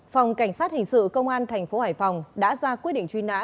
phòng cảnh sát hình sự công an thành phố hải phòng đã ra quyết định truy nã